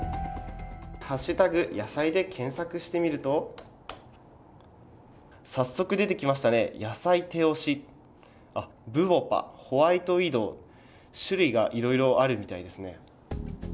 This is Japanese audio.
野菜で検索してみると、早速出てきましたね、野菜手押し、ブボバ、ホワイトウィドー種類がいろいろあるみたいですね。